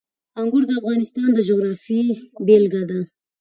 انګور د افغانستان د جغرافیې بېلګه ده.